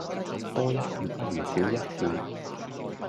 多一事不如少一事